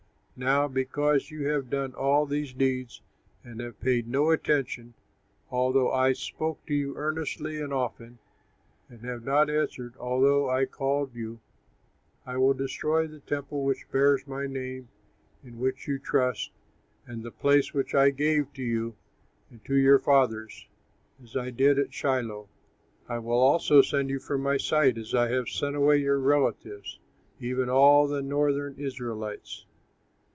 Now because you have done all these deeds, and have paid no attention, although I spoke to you earnestly and often; and have not answered, although I called you, I will destroy the temple which bears my name, in which you trust, and the place which I gave to you and to your fathers, as I did at Shiloh. I will also send you from my sight, as I have sent away your relatives, even all the Northern Israelites.'"